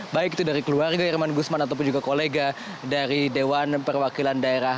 baik itu dari keluarga irman gusman ataupun juga kolega dari dewan perwakilan daerah